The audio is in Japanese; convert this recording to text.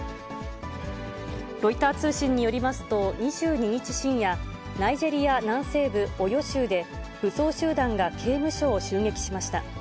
ロイター通信によりますと、２２日深夜、ナイジェリア南西部オヨ州で、武装集団が刑務所を襲撃しました。